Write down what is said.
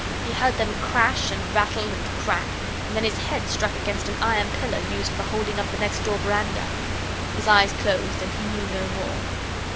He heard them crash and rattle and crack, and then his head struck against an iron pillar used for holding up the next door veranda. His eyes closed and he knew no more.